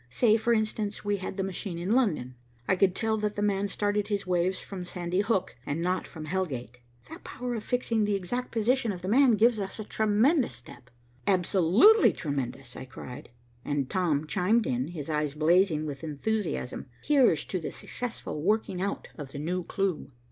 Say, for instance, we had the machine in London, I could tell that 'the man' started his waves from Sandy Hook, and not from Hell Gate. That power of fixing the exact position of 'the man' gives us a tremendous step." "Absolutely tremendous," I cried, and Tom chimed in, his eyes blazing with enthusiasm. "Here's to the successful working out of the new clue."